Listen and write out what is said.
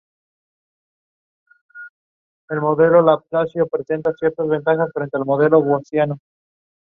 The production house unveiled an official app for the film at the event.